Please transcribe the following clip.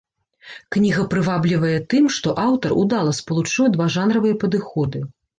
Кніга прываблівае тым, што аўтар удала спалучыў два жанравыя падыходы.